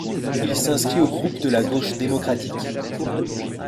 Il s'inscrit au groupe de la Gauche démocratique.